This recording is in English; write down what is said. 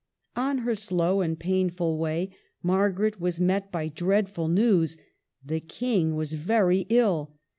On her slow and painful way Margaret was met by dreadful news, — the King was very ill.